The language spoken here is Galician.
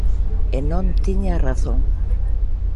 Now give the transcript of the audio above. E non tiña razón.